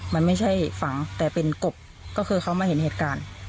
มันไม่ใช่ฝังแต่เป็นกบก็คือเขามาเห็นเหตุการณ์